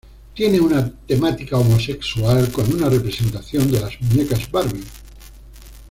Tiene una temática homosexual, con una representación de las muñecas Barbie.